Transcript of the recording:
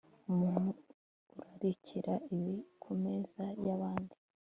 umuntu urarikira ibiri ku meza y'abandi